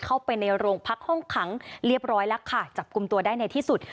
เข้าไปในโรงพักห้องขังเรียบร้อยแล้วค่ะจับกลุ่มตัวได้ในที่สุด